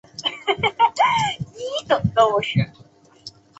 顾客也可以使用密码货币比特币来购买物品。